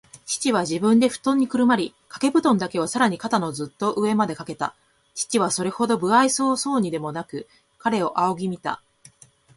父は自分でふとんにくるまり、かけぶとんだけをさらに肩のずっと上までかけた。父はそれほど無愛想そうにでもなく、彼を仰ぎ見た。